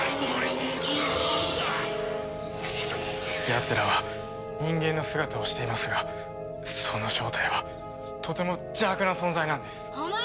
やつらは人間の姿をしていますがその正体はとても邪悪な存在なんです。